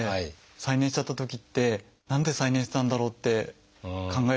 再燃しちゃったときって何で再燃したんだろうって考えるんですね。